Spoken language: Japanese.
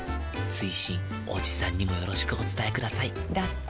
追伸おじさんにもよろしくお伝えくださいだって。